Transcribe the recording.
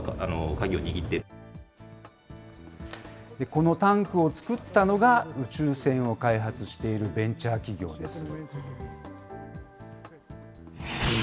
このタンクを作ったのが、宇宙船を開発しているベンチャー企業です。